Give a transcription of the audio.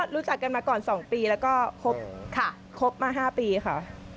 รู้จักกันมาก่อน๒ปีแล้วก็คบมา๕ปีค่ะ